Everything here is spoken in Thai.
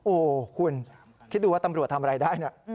โอ้โหคุณคิดดูว่าตำรวจทำอะไรได้นะ